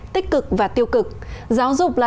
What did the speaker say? tích cực và tiêu cực giáo dục là